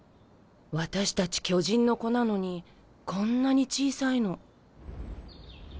私たち巨人の子なのにこんなに小さいの。